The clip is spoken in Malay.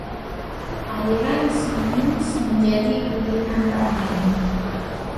Aliran Sains menjadi pilihan ramai.